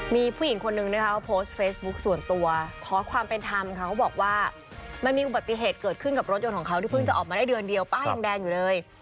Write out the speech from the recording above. มีผู้หญิงคนนึงนะคะเขาโพสต์เฟซบุ๊คส่วนตัวขอความเป็นธรรมค่ะเขาบอกว่ามันมีอุบัติเหตุเกิดขึ้นกับรถยนต์ของเขาที่เพิ่งจะออกมาได้เดือนเดียวป้ายังแดงอยู่เลย